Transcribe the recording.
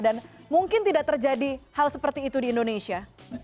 dan mungkin tidak terjadi hal seperti itu di indonesia